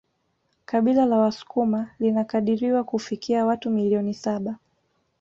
Kabila la wasukuma linakadiriwa kufikia watu milioni saba